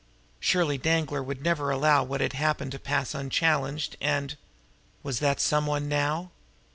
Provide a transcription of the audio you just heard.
Surely Danglar would never allow what had happened to pass unchallenged, and was that some one now?